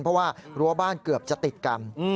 เพราะว่ารั้วบ้านเกือบจะติดกัน